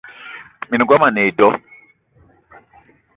Minenga womo a ne e do.